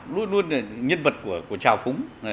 luôn luôn là nhân vật của trào phúng